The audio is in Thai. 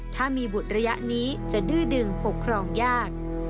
ถ้ามีบุตรระยะนี้จะดื้อดึงปกครองยาก